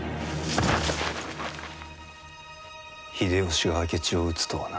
秀吉が明智を討つとはな。